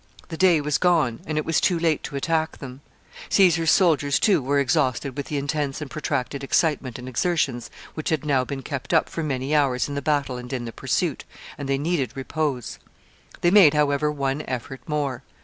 The day was gone, and it was too late to attack them. Caesar's soldiers, too, were exhausted with the intense and protracted excitement and exertions which had now been kept up for many hours in the battle and in the pursuit, and they needed repose. They made, however, one effort more.